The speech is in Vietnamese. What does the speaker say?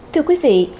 thưa quý vị